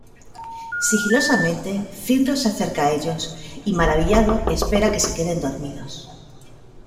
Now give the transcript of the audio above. Sigilosamente Finrod se acerca a ellos y maravillado espera a que se queden dormidos.